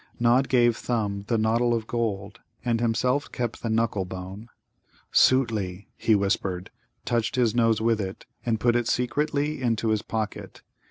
Nod gave Thumb the noddle of gold, and himself kept the knuckle bone. "Sōōtli," he whispered, touched his nose with it, and put it secretly into his pocket.